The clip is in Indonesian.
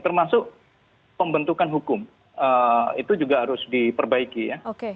termasuk pembentukan hukum itu juga harus diperbaiki ya